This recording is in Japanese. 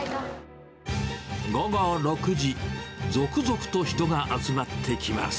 午後６時、続々と人が集まってきます。